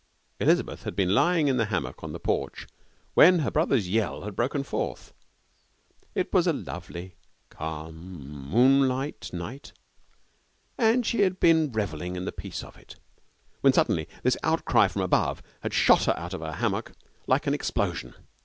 Elizabeth had been lying in the hammock on the porch when her brother's yell had broken forth. It was a lovely, calm, moonlight night, and she had been revelling in the peace of it, when suddenly this outcry from above had shot her out of her hammock like an explosion.